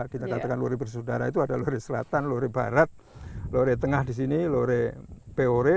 kita katakan lore bersaudara itu ada lore selatan lore barat lore tengah di sini lore peore